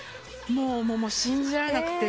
もう信じられなくて。